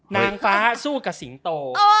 นางฟ้าสู้กับสิงโต